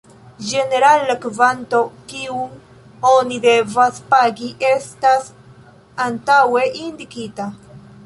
Ĝenerale la kvanto, kiun oni devas pagi estas antaŭe indikita.